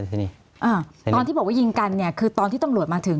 ตอนที่บอกว่ายิงกันคือตอนที่ตำรวจมาถึง